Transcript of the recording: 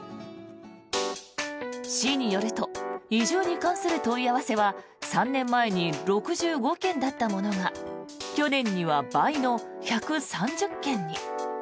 市によると移住に関する問い合わせは３年前に６５件だったものが去年には倍の１３０件に。